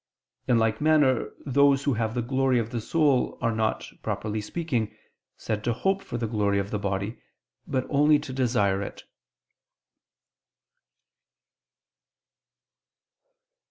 In like manner those who have the glory of the soul are not, properly speaking, said to hope for the glory of the body, but only to desire it.